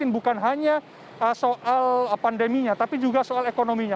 bukan hanya soal pandeminya tapi juga soal ekonominya